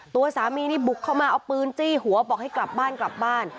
ตัวสามีนี่บุกเข้ามาเอาปืนจี้หัวบอกให้กลับบ้านกลับบ้าน